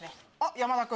山田君。